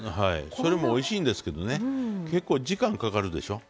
それもおいしいんですけどね結構時間かかるでしょ。